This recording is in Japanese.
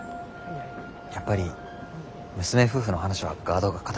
やっぱり娘夫婦の話はガードが堅いか。